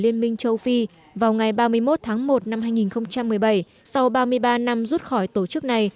liên minh châu phi vào ngày ba mươi một tháng một năm hai nghìn một mươi bảy sau ba mươi ba năm rút khỏi tổ chức này